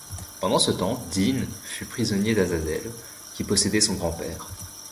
Pendant ce temps Dean fut prisonnier d'Azazel, qui possédait son grand-père.